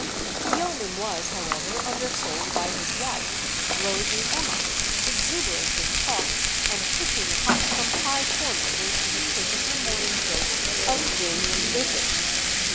The yeoman was, however, under sold by his wife, "Rosy Emma," exuberant in talk and hissing hot from Pie Corner, where she had taken her morning dose of gin and bitters.